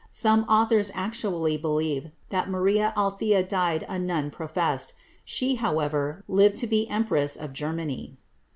Some aath(»8 actually believe that Maria Althea died a nun professed ; she, however, lived to be empress of Germany.